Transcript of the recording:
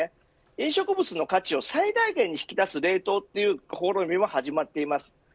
飲食物の価値を最大限に引き出す冷凍という試みも始まってます。